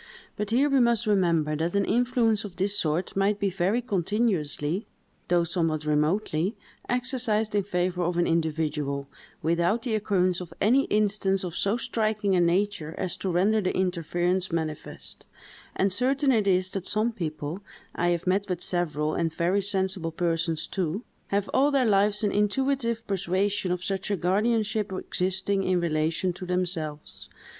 But here we must remember that an influence of this sort might be very continuously, though somewhat remotely, exercised in favor of an individual, without the occurrence of any instance of so striking a nature as to render the interference manifest; and certain it is that some people—I have met with several, and very sensible persons too—have all their lives an intuitive persuasion of such a guardianship existing in relation to themselves.